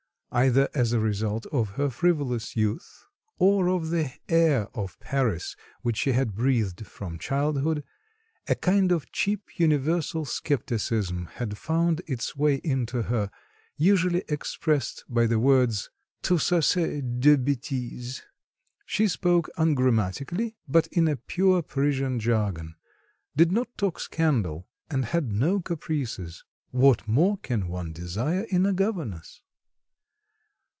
Either as a result of her frivolous youth or of the air of Paris, which she had breathed from childhood, a kind of cheap universal scepticism had found its way into her, usually expressed by the words: tout ça c'est des bêtises. She spoke ungrammatically, but in a pure Parisian jargon, did not talk scandal and had no caprices what more can one desire in a governess?